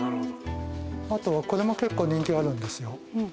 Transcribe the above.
あとはこれも結構人気があるんですよ。